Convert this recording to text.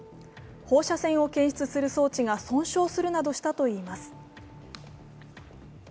放射線を検出する装置が損傷するなどしたといいます。